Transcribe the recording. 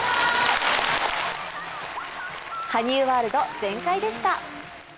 羽生ワールド全開でした。